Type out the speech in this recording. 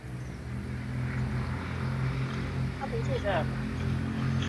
史灌河